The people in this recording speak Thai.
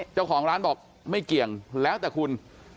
เจ้าของร้านบอกไม่เกี่ยงแล้วแต่คุณ